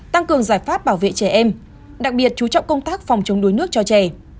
tăng cường giải pháp bảo vệ trẻ em đặc biệt chú trọng công tác phòng chống đuối nước cho trẻ